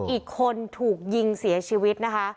อีกคนถูกยิงเสียชีวิตนะคะ